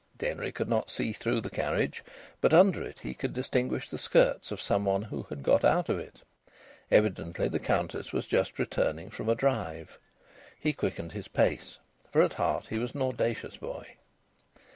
Denry could not see through the carriage, but under it he could distinguish the skirts of some one who got put of it. Evidently the Countess was just returning from a drive. He quickened his pace, for at heart he was an audacious boy.